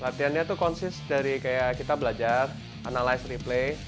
latiannya tuh konsis dari kayak kita belajar analis replay